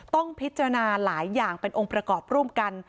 ต้องพิจารณาหลายอย่างเป็นองค์ประกอบร่วมกัน